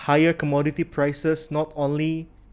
harga komoditas yang lebih tinggi